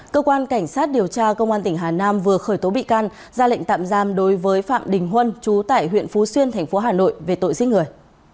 cơ quan cảnh sát điều tra công an tỉnh hà nam vừa khởi tố bị can ra lệnh tạm giam đối với phạm đình huân chú tại huyện phú xuyên thành phố hà nội về tội giết người